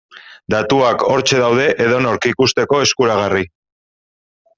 Datuak hortxe daude edonork ikusteko eskuragarri.